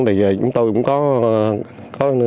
thì chúng tôi cũng có